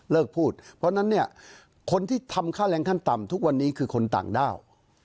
พูดเพราะฉะนั้นเนี่ยคนที่ทำค่าแรงขั้นต่ำทุกวันนี้คือคนต่างด้าว